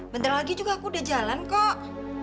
bentar lagi juga aku udah jalan kok